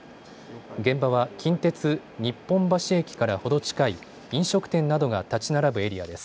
現場は近鉄・日本橋駅から程近い飲食店などが建ち並ぶエリアです。